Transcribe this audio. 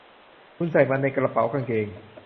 คุณใส่มันในกระเป๋ากางเกง